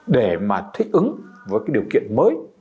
để mà thích ứng với cái điều kiện mới